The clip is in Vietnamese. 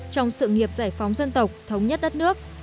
trong sự nghiệp giải phóng dân tộc thống nhất đất nước